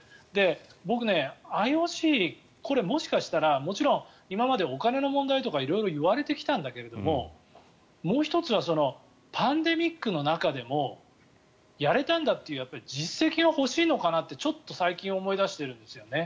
僕、ＩＯＣもしかしたらもちろん今までお金の問題とか色々言われてきたんだけれどももう１つはパンデミックの中でもやれたんだという実績が欲しいのかなって最近思い出しているんですよね。